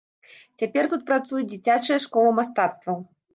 Цяпер тут працуе дзіцячая школа мастацтваў.